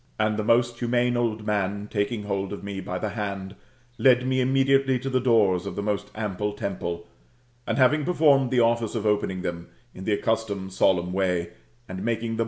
And the most humane old man, taking hold of me by the hand, led me immediately to the doors of the most ample temple; and having performed the office of opening them, in the accustomed solemn way, and made the •* GOLDBM ASS, OP APULSIUS. — BOOK XI.